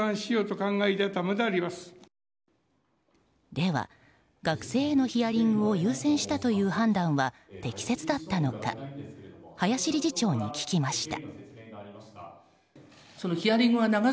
では、学生へのヒアリングを優先したという判断は適切だったのか林理事長に聞きました。